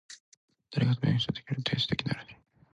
誰かと文章被ると提出できないらしい。